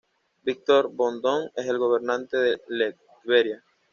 Victor von Doom es el gobernante de Latveria.